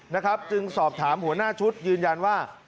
นะครับจึงสอบถามหัวหน้าชุดยืนยันว่า